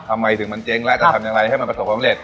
ทำไมถึงมันเจ๊งแล้วจะทำยังไงให้มันประสบความเร็จ